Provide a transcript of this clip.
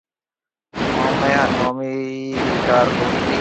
مومَي هانَ مومِي رِي ڪار ڦوٽرِي هيَ۔